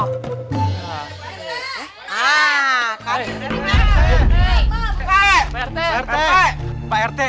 pak rt pak rt pak rt pak rt pak rt